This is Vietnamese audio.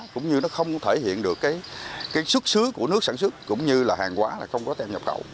cũng như nó không thể hiện được cái xuất xứ của nước sản xuất cũng như là hàng hóa là không có tem nhập khẩu